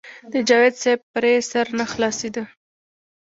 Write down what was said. د جاوېد صېب پرې سر نۀ خلاصېدۀ -